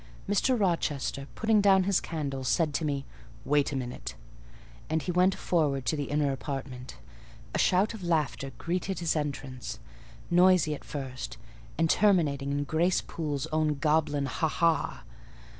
Mr. Rochester, putting down his candle, said to me, "Wait a minute," and he went forward to the inner apartment. A shout of laughter greeted his entrance; noisy at first, and terminating in Grace Poole's own goblin ha! ha!